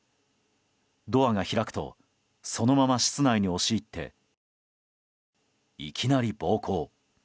ドアが開くと、そのまま室内に押し入っていきなり暴行。